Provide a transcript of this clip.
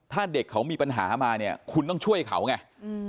ถ้าเด็กเขามีปัญหามาเนี่ยคุณต้องช่วยเขาไง